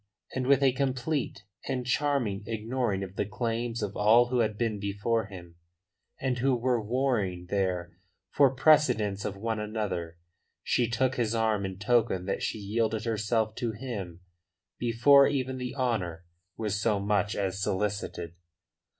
And with a complete and charming ignoring of the claims of all who had been before him, and who were warring there for precedence of one another, she took his arm in token that she yielded herself to him before even the honour was so much as solicited.